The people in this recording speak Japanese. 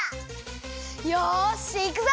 よしいくぞ！